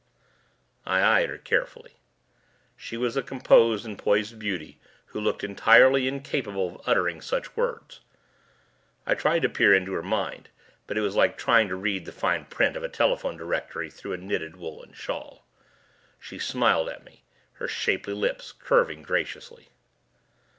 I eyed her carefully. She was a composed and poised beauty who looked entirely incapable of uttering such words. I tried to peer into her mind but it was like trying to read the fine print of a telephone directory through a knitted woolen shawl. She smiled at me, her shapely lips curving graciously.